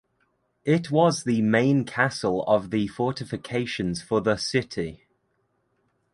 It was the main castle of the fortifications for the city.